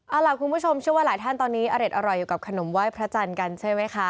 เอาล่ะคุณผู้ชมเชื่อว่าหลายท่านตอนนี้อเด็ดอร่อยอยู่กับขนมไหว้พระจันทร์กันใช่ไหมคะ